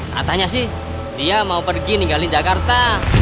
katanya sih dia mau pergi ninggalin jakarta